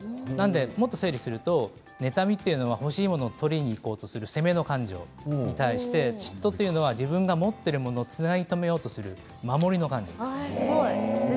もっと整理すると妬みは欲しいものを取りにいこうとする攻めの感情嫉妬は自分の持っているものをつなぎ止めようという守りの感情なんです。